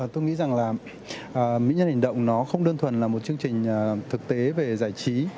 tôi nghĩ rằng là mỹ nhân hành động nó không đơn thuần là một chương trình thực tế về giải trí